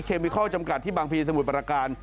มิคอลจำกัดที่บางพีสมุทรประการ